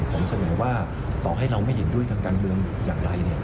ผมสามารถว่าต่อให้เราไม่เห็นด้วยทางการเมืองอย่างไรเนี่ย